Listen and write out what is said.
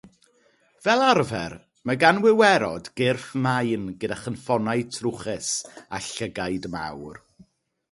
Fel arfer, mae gan wiwerodd gyrff main gyda chynffonau trwchus a llygaid mawr.